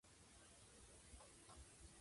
キーボードのエンターキーだけが少しすり減っている。